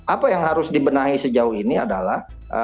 apa yang harus dibenahi sejauh ini adalah